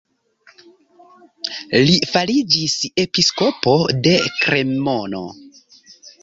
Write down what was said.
Li fariĝis episkopo de Kremono.